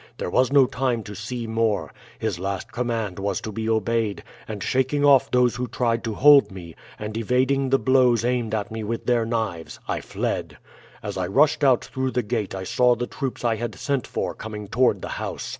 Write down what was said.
There was no time to see more. His last command was to be obeyed, and shaking off those who tried to hold me, and evading the blows aimed at me with their knives, I fled. As I rushed out through the gate I saw the troops I had sent for coming toward the house.